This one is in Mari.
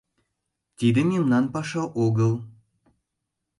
— Тиде мемнан паша огыл.